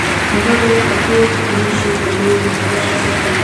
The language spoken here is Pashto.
هغه د اتو دېرشو کلونو معتبر شخصيت و.